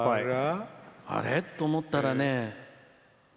あれ？と思ったらね